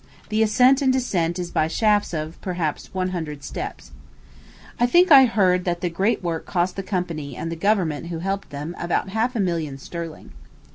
The ascent and descent is by shafts of, perhaps, one hundred steps. I think I heard that the great work cost the company, and government, who helped them, about half a million sterling.